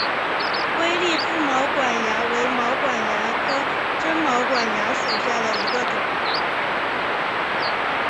微粒腹毛管蚜为毛管蚜科真毛管蚜属下的一个种。